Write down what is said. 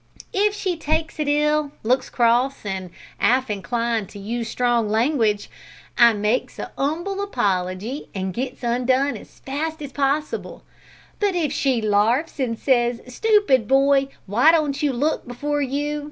"If she takes it ill, looks cross, and 'alf inclined to use strong language, I makes a 'umble apology, an' gets undone as fast as possible, but if she larfs, and says, `Stoopid boy; w'y don't you look before you?'